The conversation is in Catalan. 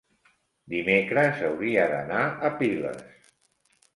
Dimecres hauria d'anar a Piles.